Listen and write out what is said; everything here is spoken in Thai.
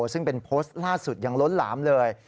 ซึ่งเป็นโพสต์ล่าสุดยังล้นหลามเลย